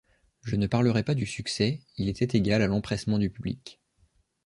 Je ne parlerai pas du succès ; il était égal à l'empressement du public.